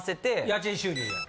家賃収入や。